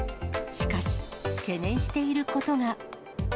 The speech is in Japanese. しかし、懸念していることが。